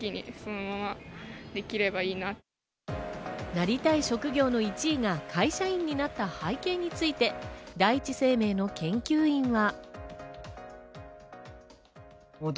なりたい職業の１位が会社員になった背景について、第一生命の研究員は。